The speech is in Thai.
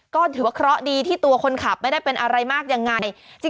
ก็ถือว่าเคราะห์ดีที่ตัวคนขับไม่ได้เป็นอะไรมากยังไง